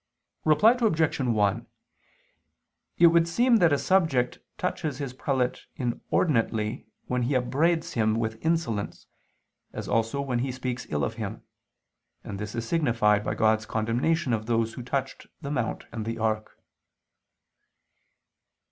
Reply Obj. 1: It would seem that a subject touches his prelate inordinately when he upbraids him with insolence, as also when he speaks ill of him: and this is signified by God's condemnation of those who touched the mount and the ark.